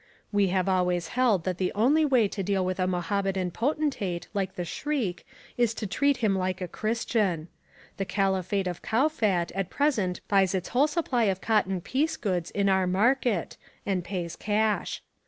We have always held that the only way to deal with a Mohammedan potentate like the Shriek is to treat him like a Christian. The Khalifate of Kowfat at present buys its whole supply of cotton piece goods in our market and pays cash.